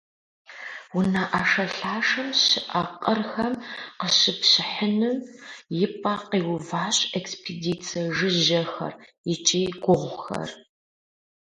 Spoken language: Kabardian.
Унэ ӏэшэлъашэм щыӏэ къырхэм къыщыпщыхьыным и пӏэ къиуващ экспедицэ жыжьэхэр икӏи гугъухэр.